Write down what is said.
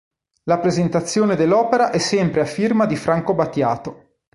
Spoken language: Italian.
La presentazione dell'opera è sempre a firma di Franco Battiato.